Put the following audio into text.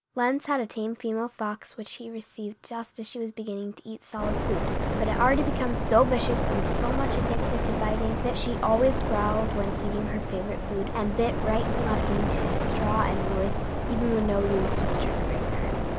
Lenz had a tame female fox which he received just as she was beginning to eat solid food, but had already become so vicious and so much addicted to biting that she always growled when eating her favorite food and bit right and left into straw and wood, even when nobody was disturbing her.